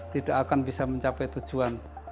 tidak akan bisa mencapai tujuan